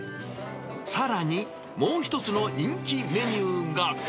さらに、もう１つの人気メニューが。